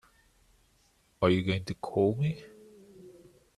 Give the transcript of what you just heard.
Are you going to call me?